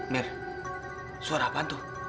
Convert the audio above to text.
mir suara apaan tuh